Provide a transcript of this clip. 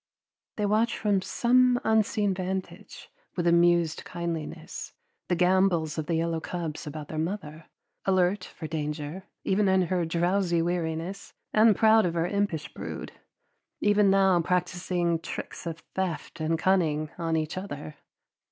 They watch from some unseen vantage, with amused kindliness, the gambols of the yellow cubs about their mother, alert for danger, even in her drowsy weariness, and proud of her impish brood, even now practicing tricks of theft and cunning on each other.